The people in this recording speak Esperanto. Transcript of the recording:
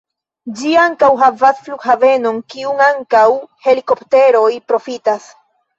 Ĝi ankaŭ havas flughavenon, kiun ankaŭ helikopteroj profitas.